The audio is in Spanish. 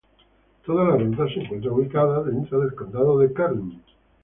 Toda la ruta se encuentra ubicado dentro del condado de Kern.